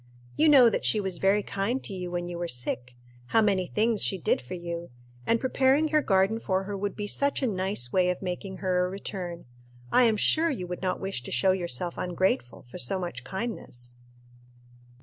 You know that she was very kind to you when you were sick how many things she did for you; and preparing her garden for her would be such a nice way of making her a return. I am sure you would not wish to show yourself ungrateful for so much kindness."